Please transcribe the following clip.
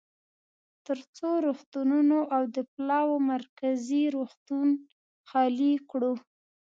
ترڅو روغتونونه او د پلاوا مرکزي روغتون خالي کړو.